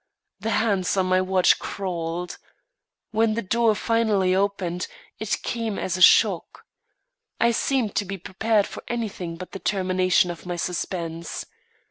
The hands on my watch crawled. When the door finally opened, it came as a shock. I seemed to be prepared for anything but the termination of my suspense.